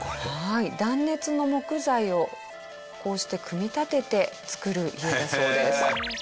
断熱の木材をこうして組み立てて造る家だそうです。